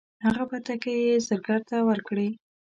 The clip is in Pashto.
هغه بتکۍ یې زرګر ته ورکړې.